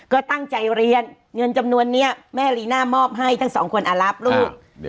ก็ตั้งใจเรียนเงินจำนวนนี้แม่ลีน่ามอบให้ทั้งสองคนอารับลูก